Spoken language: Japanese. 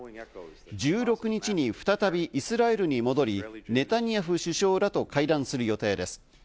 １６日に再びイスラエルに戻り、ネタニヤフ首相らと会談する予定です。